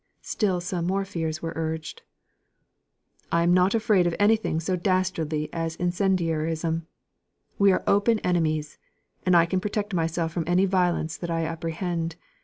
Still some more fears were urged. "I'm not afraid of anything so dastardly as incendiarism. We are open enemies; and I can protect myself from any violence that I apprehend.